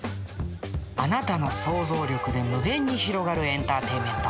あなたの想像力で無限に広がるエンターテインメント。